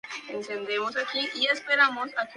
Nueva antología.